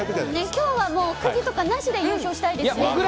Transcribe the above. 今日はくじとかなしで優勝したいですね。